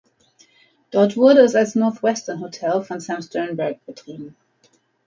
Dort wurde es als "Northwestern Hotel" von Sam Sternberg betrieben.